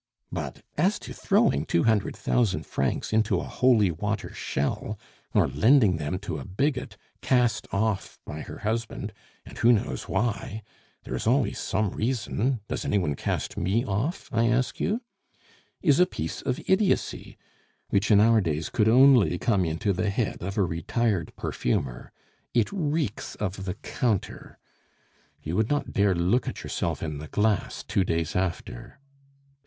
"But as to throwing two hundred thousand francs into a holy water shell, or lending them to a bigot cast off by her husband, and who knows why? there is always some reason: does any one cast me off, I ask you? is a piece of idiocy which in our days could only come into the head of a retired perfumer. It reeks of the counter. You would not dare look at yourself in the glass two days after.